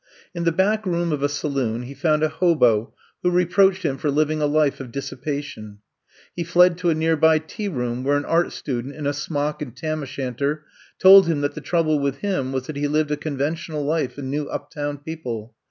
In the back room of a saloon he found a hobo who re proached him for living a life of dissipa tion. He fled to a near by tea room where an art student in a smock and tam o ' shan ter told him that the trouble with him was that he lived a conventional life and knew uptown people.